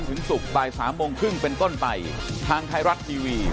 ขอบคุณครับ